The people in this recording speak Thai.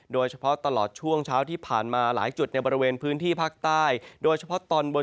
โดยเฉพาะตลอดช่วงเช้าที่ผ่านมาหลายจุดในบริเวณพื้นที่ภาคใต้โดยเฉพาะตอนบน